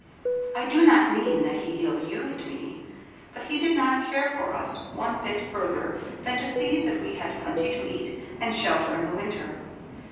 I do not mean that he ill used me, but he did not care for us one bit further than to see that we had plenty to eat, and shelter in the winter.